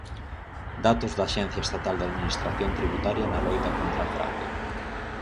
Datos da Axencia Estatal de Administración Tributaria na loita contra a fraude.